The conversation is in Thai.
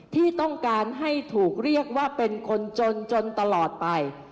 ที่ต้องการให้ถูกเรียกว่าเป็นคนจนจนตลอดไป